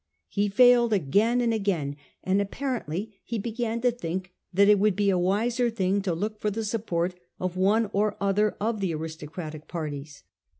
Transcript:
He failed again and again, and apparently he began to think that it would be a wiser thing to look for the support of one or other of the aristocratic parties.